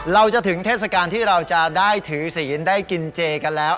เราจะถึงเทศกาลที่เราจะได้ถือศีลได้กินเจกันแล้ว